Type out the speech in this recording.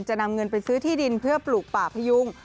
จะนำเงินไปซื้อที่ดินเพื่อปลูกป่าพยุง